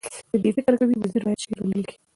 دوی فکر کوي وزیر باید شعر ونه لیکي.